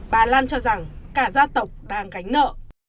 bà lan cho rằng cả gia tộc đang gánh nợ